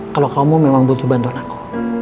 kalau kamu memang butuh bantuan aku